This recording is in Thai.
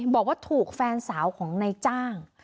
บอกว่าถูกแฟนสาวของนายจ้าง